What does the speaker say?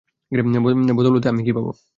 বদৌলতে আমি কী পাব?